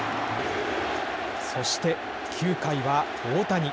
そして９回は大谷。